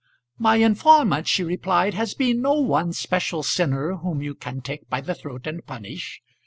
"My informant," she replied, "has been no one special sinner whom you can take by the throat and punish.